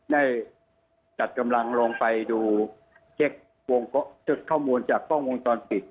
ได้จัดกำลังลงไปดูเช็คข้อมูลจากกล้องวงตอนผิด